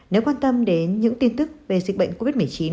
nếu quan tâm đến những tin tức về dịch bệnh covid một mươi chín